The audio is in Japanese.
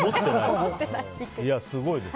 すごいです。